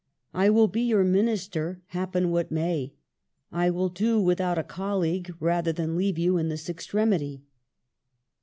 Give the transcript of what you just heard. " I will be your Minister, happen what may. I will do without a colleague rather than leave you in this extremity."